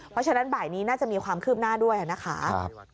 เพราะฉะนั้นบ่ายนี้น่าจะมีความคืบหน้าด้วยนะคะ